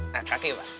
nah kaki pak